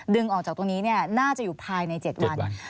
ดึงออกจากตรงนี้น่าจะอยู่ภายใน๗วัน